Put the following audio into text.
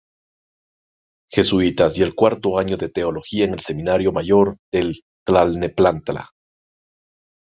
Jesuitas y el cuarto año de Teología en el Seminario Mayor de Tlalnepantla.